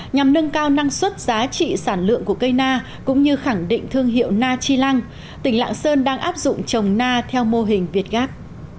nhằm nâng cao năng suất giá trị sản lượng của cây na cũng như khẳng định thương hiệu na chi lăng tỉnh lạng sơn đang áp dụng trồng na theo mô hình việt gáp